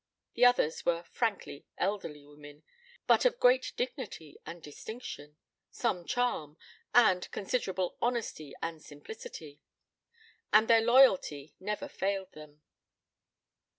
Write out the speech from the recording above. The others were frankly elderly women, but of great dignity and distinction, some charm, and considerable honesty and simplicity. And their loyalty never failed them.